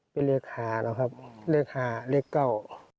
เป็นเลขหาเลขหาเลขเก่า